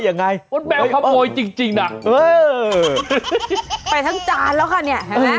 ยังไงมดแมวขโมยจริงจริงน่ะเออไปทั้งจานแล้วค่ะเนี่ยเห็นไหม